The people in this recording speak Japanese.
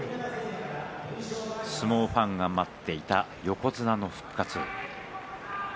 相撲ファンが待っていた横綱の復活。